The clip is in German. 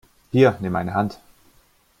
Hier, nimm meine Hand!